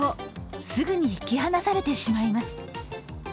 すぐに引き離されてしまいます。